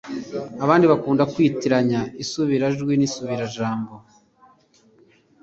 abenshibakunda kwitiranya isubirajwi n'isubirajambo